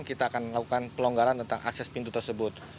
kita akan melakukan pelonggaran tentang akses pintu tersebut